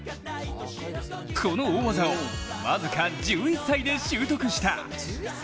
この大技を僅か１１歳で習得した。